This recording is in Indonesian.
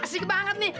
asik banget nih